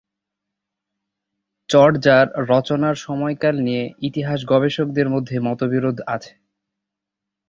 চর্যার রচনার সময়কাল নিয়ে ইতিহাস গবেষকদের মধ্যে মতবিরোধ আছে।